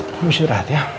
kamu istirahat ya